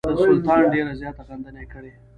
د سلطان ډېره زیاته غندنه یې کړې.